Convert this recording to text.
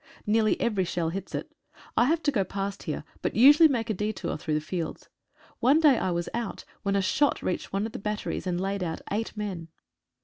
Nearly every shell hits it. I have to go past here, but usually make a detour through the fields. One day I was out when a shot reached one of the batteries and laid out eight men.